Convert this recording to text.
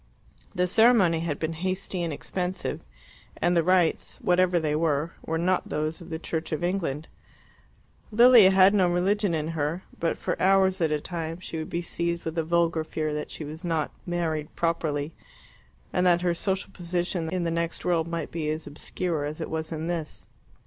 The ceremony had been hasty and expensive, and the rites, whatever they were, were not those of the Church of England. Lilia had no religion in her; but for hours at a time she would be seized with a vulgar fear that she was not "married properly," and that her social position in the next world might be as obscure as it was in this.